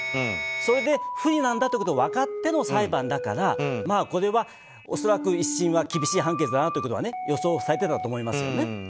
それで不利なんだということは分かっての裁判だからこれは、恐らく１審は厳しい判決だなというのは予想されていたと思いますよね。